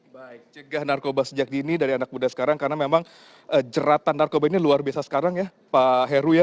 baik cegah narkoba sejak dini dari anak muda sekarang karena memang jeratan narkoba ini luar biasa sekarang ya pak heru ya